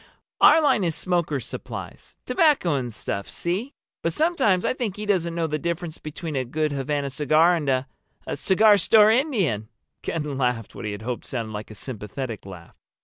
"Our line is smokers' supplies—tobacco and stuff, see? But sometimes I think he doesn't know the difference between a good Havana cigar and a—a cigar store Indian." Ken laughed what he hoped sounded like a sympathetic laugh.